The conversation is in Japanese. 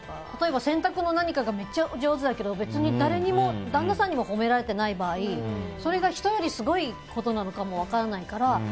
例えば洗濯の何かがめっちゃ上手だけど別に誰にも、旦那さんにも褒められてない場合それが人よりすごいことなのかも分からないから。